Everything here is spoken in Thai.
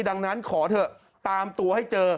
ดังนั้นขอเถอะตามตัวให้เจอ